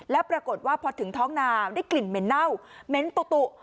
แล้วปรากฏว่าพอถึงท้องนาได้กลิ่นเหม็นเน่าเหม็นตุ